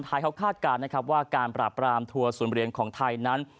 ไทยเขาคาดการณ์นะครับว่าการปราบรามทัวร์ศูนย์เหรียญของไทยนั้น